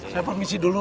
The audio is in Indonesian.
saya permisi dulu